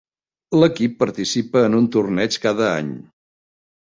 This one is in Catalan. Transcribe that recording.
L'equip participa en un torneig cada any.